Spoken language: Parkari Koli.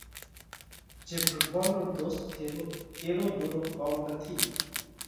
جي ڀڳوونَ رو ڌوست ٿيوو ايوو ۮورو ڪوم نٿِي۔